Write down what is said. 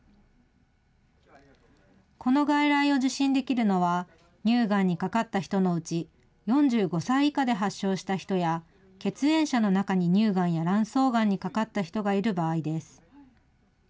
この外来を受診できるのは、乳がんにかかった人のうち、４５歳以下で発症した人や、血縁者の中に乳がんや卵巣がんにかかった人がいる場合です。